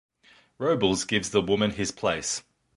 Robles gives the woman his place.